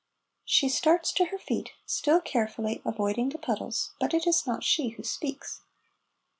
She starts to her feet, still carefully avoiding the puddles, but it is not she who speaks.